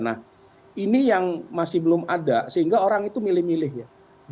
nah ini yang masih belum ada sehingga orang itu milih milih ya